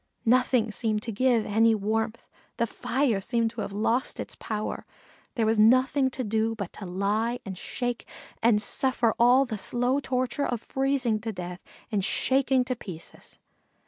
Nothing seemed to give any warmth fire seemed to have lost its power. There was nothing to do but to lie and shake and suffer all the slow torture of freezing to death and shaking to pieces.